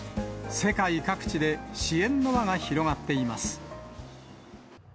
世界各地で支援の輪が広がっています。